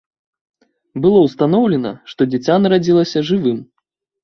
Было ўстаноўлена, што дзіця нарадзілася жывым.